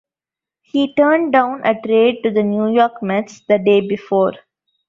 He turned down a trade to the New York Mets the day before.